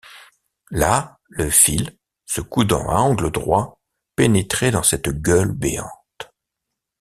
Là, le fil, se coudant à angle droit, pénétrait dans cette gueule béante